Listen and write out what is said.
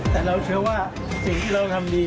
แต่เราเชื่อว่าสิ่งที่เราทำดี